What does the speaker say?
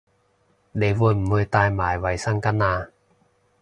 你會唔會帶埋衛生巾吖